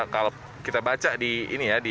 kalau kita baca di ini ya